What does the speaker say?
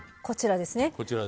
こちらですね。